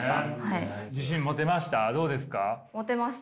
自信持てました？